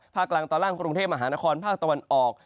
กลางตอนล่างกรุงเทพมหานครภาคตะวันออก